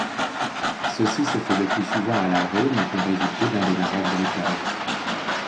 Ceci se fait le plus souvent à l'arrêt mais peut résulter d'un démarrage brutal.